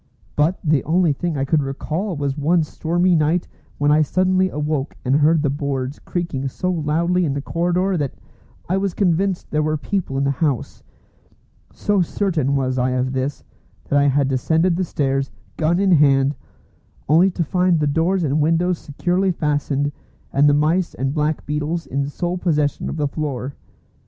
But the only thing I could recall was one stormy night when I suddenly awoke and heard the boards creaking so loudly in the corridor that I was convinced there were people in the house. So certain was I of this, that I had descended the stairs, gun in hand, only to find the doors and windows securely fastened, and the mice and black beetles in sole possession of the floor.